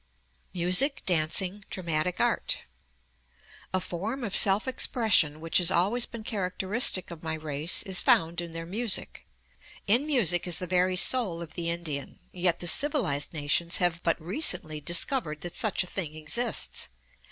MUSIC, DANCING, DRAMATIC ART A form of self expression which has always been characteristic of my race is found in their music. In music is the very soul of the Indian; yet the civilized nations have but recently discovered that such a thing exists!